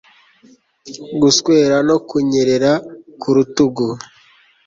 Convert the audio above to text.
guswera no kunyerera ku rutugu